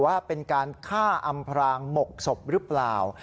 ว่าเป็นการฆ่าอำพรางหมกศพหรือเปล่า